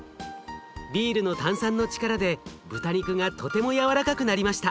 ビールの炭酸の力で豚肉がとても軟らかくなりました。